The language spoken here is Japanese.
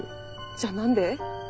じゃあ何で？